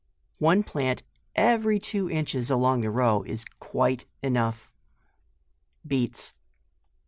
One plant every two inches along the row is quite °nougb, BEETS.